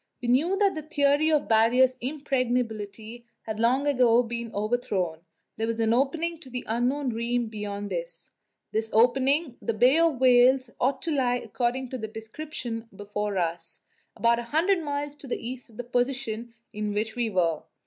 We knew that the theory of the Barrier's impregnability had long ago been overthrown; there was an opening to the unknown realm beyond it. This opening the Bay of Whales ought to lie, according to the descriptions before us, about a hundred miles to the east of the position in which we were.